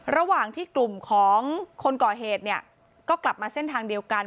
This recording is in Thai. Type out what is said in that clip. ระหว่างที่กลุ่มของคนก่อเหตุเนี่ยก็กลับมาเส้นทางเดียวกัน